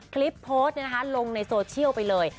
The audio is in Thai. คลิปโพสต์ลงในโซเชียลไปเลย